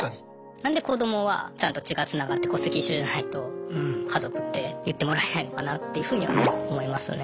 何で子どもはちゃんと血がつながって戸籍一緒じゃないと家族って言ってもらえないのかなっていうふうには思いますね。